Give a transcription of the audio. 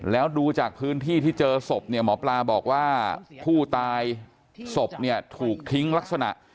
แล้วดูจากพื้นที่ที่เจอศพเนี่ยหมอปลาบอกว่าผู้ตายศพเนี่ยถูกทิ้งลักษณะ